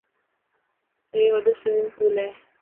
هيڪ وڏو سومنگپول هي.